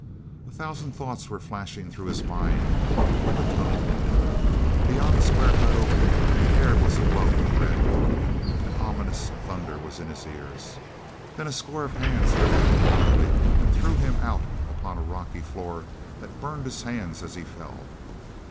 A thousand thoughts were flashing through his mind when the tunnel ended. Beyond a square cut opening the air was aglow with red. An ominous thunder was in his ears. Then a score of hands lifted him bodily and threw him out upon a rocky floor that burned his hands as he fell.